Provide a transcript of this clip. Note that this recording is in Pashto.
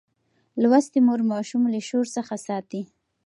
لوستې مور ماشوم له شور څخه ساتي.